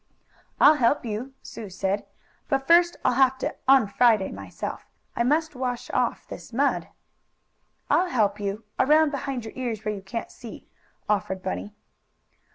"I'll help you," Sue said. "But first I'll have to un Friday myself. I must wash off this mud." "I'll help you around behind your ears where you can't see," offered Bunny.